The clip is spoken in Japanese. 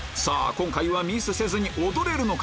今回はミスせずに踊れるのか？